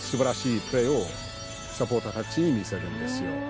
三笘さんが。をサポーターたちに見せるんですよ。